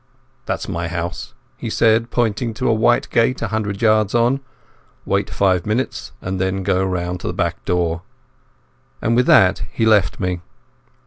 "That's my house," he said, pointing to a white gate a hundred yards on. "Wait five minutes and then go round to the back door." And with that he left me.